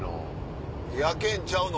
焼けるんちゃうの？